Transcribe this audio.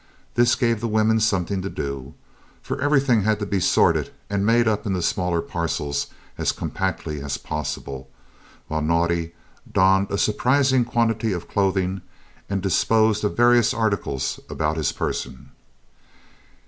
This gave the women something to do, for everything had to be sorted and made up into smaller parcels as compactly as possible, while Naudé donned a surprising quantity of clothing and disposed of various articles about his person.